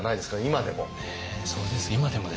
今でも。